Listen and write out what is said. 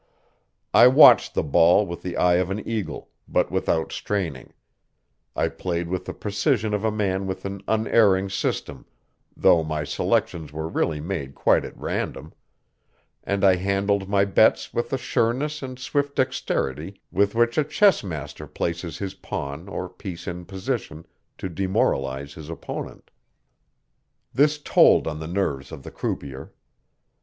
I watched the ball with the eye of an eagle, but without straining; I played with the precision of a man with an unerring system, though my selections were really made quite at random; and I handled my bets with the sureness and swift dexterity with which a chess master places his pawn or piece in position to demoralize his opponent. This told on the nerves of the croupier.